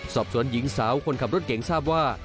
สอบสวนหญิงสาวคนขับรถเก่งทราบว่า